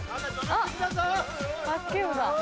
・あっバスケ部だ。